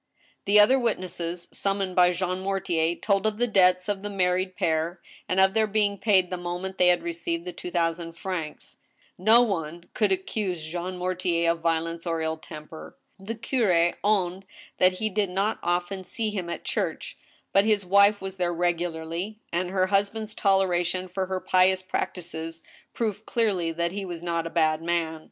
The other witnesses, summoned by Jean Mortier, told of the debts of the married pair, and of their being paid the moment they had received the two thousand francs. No one could accuse Jean Mortier of violertce or ill temper. The curi owned that he did not often see him at church, but his wife was there regularly, and her husband's toleration for her pious prac tices proved cleariy that he was not a bad man.